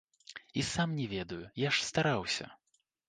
І сам не ведаю, я ж стараўся.